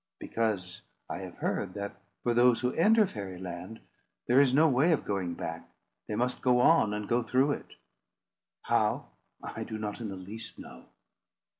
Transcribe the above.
"Because I have heard, that, for those who enter Fairy Land, there is no way of going back. They must go on, and go through it. How, I do not in the least know."